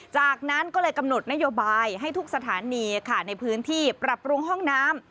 จากนั้นก็เลยกำหนดนโยบายให้ทุกสถานีในพื้นที่ปรับปรุงห้องน้ำ